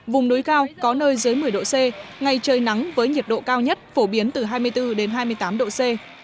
vùng núi cao có nơi dưới một mươi độ c ngày trời nắng với nhiệt độ cao nhất phổ biến từ hai mươi bốn hai mươi tám độ c